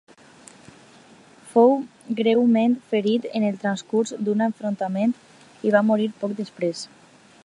Fou greument ferit en el transcurs d'un enfrontament i va morir poc després.